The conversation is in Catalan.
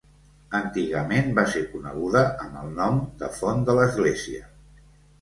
Antigament va ser coneguda amb el nom de font de l'Església.